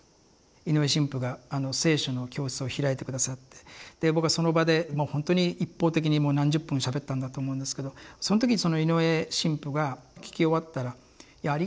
井上神父が「聖書」の教室を開いて下さって僕はその場で本当に一方的に何十分もしゃべったんだと思うんですけどその時に井上神父が聴き終わったら「いやありがとう。